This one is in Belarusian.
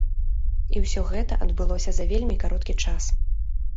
І ўсё гэта адбылося за вельмі кароткі час.